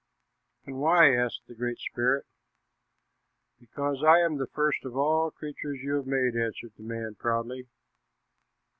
"And why?" asked the Great Spirit. "Because I am the first of all the creatures you have made," answered man proudly.